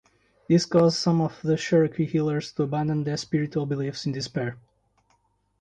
This caused some of the Cherokee healers to abandon their spiritual beliefs in despair.